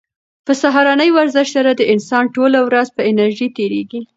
په سهارني ورزش سره د انسان ټوله ورځ په انرژۍ تېریږي.